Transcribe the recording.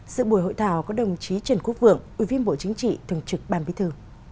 sự buổi hội thảo có đồng chí trần quốc vượng ubnd bộ chính trị thường trực ban bí thư